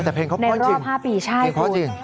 อ๋อแต่เพลงเขาพอจริงพอจริงในรอบ๕ปีใช่คุณ